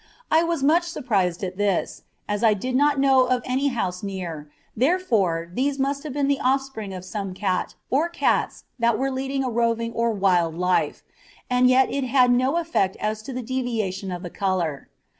I was much surprised at this, as I did not know of any house near, therefore these must have been the offspring of some cat or cats that were leading a roving or wild life, and yet it had no effect as to the deviation of the colour.